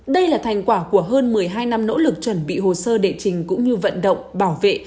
đây là thành quả của hơn một mươi hai năm nỗ lực chuẩn bị hồ sơ đệ trình cũng như vận động bảo vệ